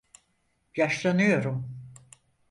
Yaşlanıyorum.